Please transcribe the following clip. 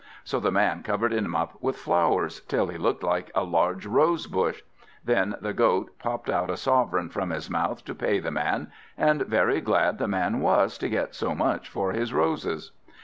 So the man covered him up with flowers, till he looked like a large rose bush. Then the Goat popped out a sovereign from his mouth, to pay the man, and very glad the man was to get so much for his roses.